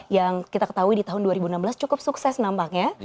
yang kita ketahui di tahun dua ribu enam belas cukup sukses nampaknya